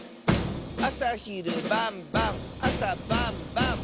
「あさひるばんばんあさばんばん！」